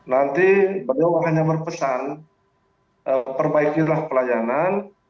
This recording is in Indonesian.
nanti beliau hanya berpesan perbaikilah pelayanan